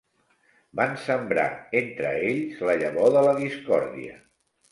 Van sembrar entre ells la llavor de la discòrdia.